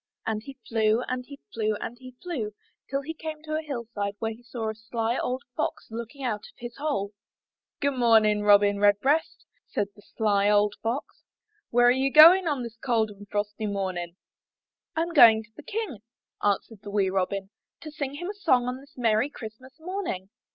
And he flew, and he flew, and he flew, till he came to a hillside where he saw a sly old Fox looking out of his hole. Good morning, Robin Redbreast," said the sly 164 IN THE NURSERY old Fox. "Where are you going on this cold and frosty morning?'' 'Tm going to the King/' answered the wee Robin, '*to sing him a song on this merry Christmas morning."